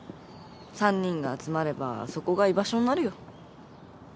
３人が集まればそこが居場所になるよ。